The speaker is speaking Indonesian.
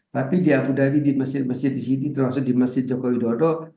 tapi di abu dhabi di masjid masjid di sini termasuk di masjid joko widodo